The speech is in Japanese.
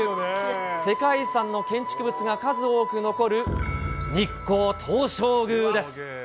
世界遺産の建築物が数多く残る日光東照宮です。